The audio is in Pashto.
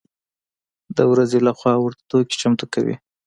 و د ورځې له خوا ورته توکي چمتو کوي.